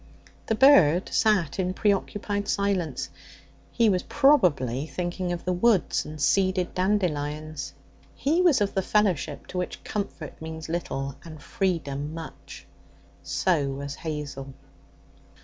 The bird sat in preoccupied silence. He was probably thinking of the woods and seeded dandelions. He was of the fellowship to which comfort means little and freedom much. So was Hazel.